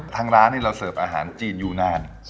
ทางร้านเราเสิร์ฟอาหารจีนอยู่นาน